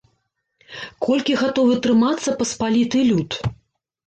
Колькі гатовы трымацца паспаліты люд?